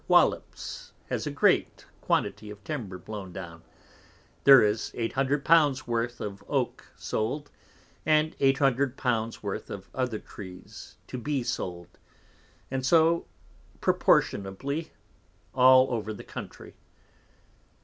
Waleps has a great quantity of Timber blown down, there is 800 l's worth of Oak sold, and 800 l's worth of other Trees to be sold, and so proportionably all over the Country.